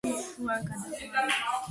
სართულშუა გადახურვები ხის ყოფილა.